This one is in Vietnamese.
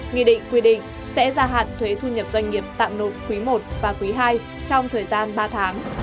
nghị định quy định sẽ gia hạn thuế thu nhập doanh nghiệp tạm nộp quý i và quý ii trong thời gian ba tháng